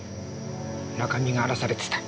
中身が荒らされてた。